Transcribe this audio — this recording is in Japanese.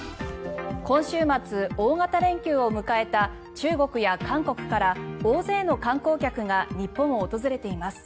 今週末、大型連休を迎えた中国や韓国から大勢の観光客が日本を訪れています。